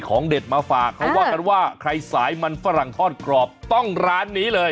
เขาบอกกันว่าไข่สายมันฝรั่งทอดกรอบต้องร้านนี้เลย